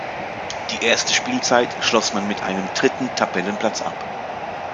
Die erste Spielzeit schloss man mit einem dritten Tabellenplatz ab.